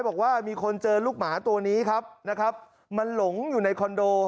บอกว่ามีคนเจอลูกหมาตัวนี้ครับนะครับมันหลงอยู่ในคอนโด